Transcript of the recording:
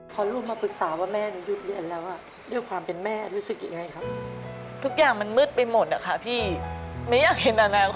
พอลูกมาปรึกษาว่าแม่หนูหยุดเรียนแล้ว